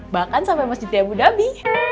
bahkan sampai masjid di abu dhabi